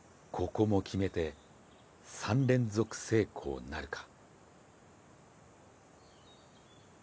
ここも決めて３連続成功なるか。